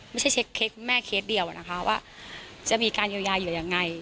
ไม่ใช่เช็คเค้กแม่เคสเดียวนะคะว่าจะมีการเยียวยาเหยื่อยังไง